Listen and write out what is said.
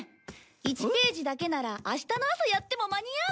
１ページだけなら明日の朝やっても間に合う！